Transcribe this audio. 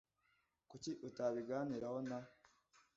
Kuki utabiganiraho na ?